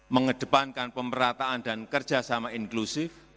mengedepankan pemerataan dan kerjasama inklusif